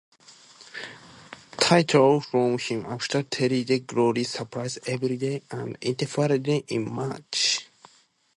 Title from him after Terry Gordy surprised everybody and interfered in the match.